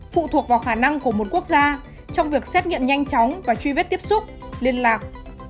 phụ thuộc vào khả năng của một quốc gia trong việc xét nghiệm nhanh chóng và truy vết tiếp xúc liên lạc